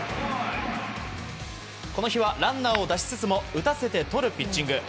この日はランナーを出しつつも打たせてとるピッチング。